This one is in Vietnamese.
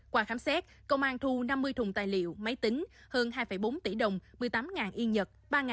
qua khám xét công an thu năm mươi thùng tài liệu máy tính hơn hai bốn tỷ đồng một mươi tám yên nhật